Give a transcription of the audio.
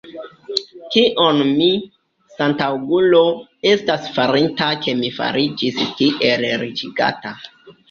Kion mi, sentaŭgulo, estas farinta, ke mi fariĝis tiel riĉigata?